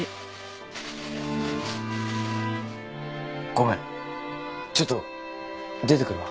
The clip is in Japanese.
ごめんちょっと出てくるわ。